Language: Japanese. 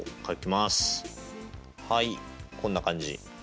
はいこんな感じ。